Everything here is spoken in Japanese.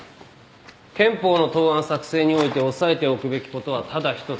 憲法の答案作成において押さえておくべきことはただ一つ。